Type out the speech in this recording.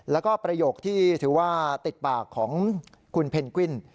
แล้วก็ประโยคที่ถือว่าติดปากของคุณเพนกวิน